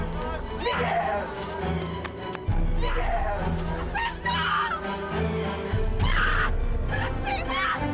tidak ada yang bisa mengangkatnya